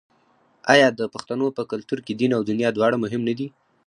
آیا د پښتنو په کلتور کې دین او دنیا دواړه مهم نه دي؟